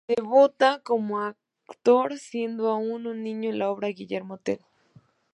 Debuta como actor siendo aún un niño, en la obra "Guillermo Tell".